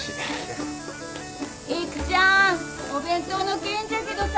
・育ちゃんお弁当の件じゃけどさ。